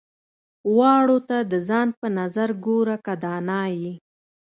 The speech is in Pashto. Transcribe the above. واړو ته د ځان په نظر ګوره که دانا يې.